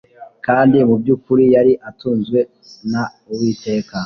kandi mubyukuri yari atunzwe na uwiteka